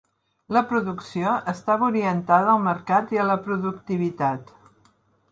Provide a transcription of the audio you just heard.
La producció estava orientada al mercat i a la productivitat.